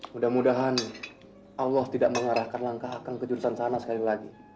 mudah mudahan allah tidak mengarahkan langkah akan ke jurusan sana sekali lagi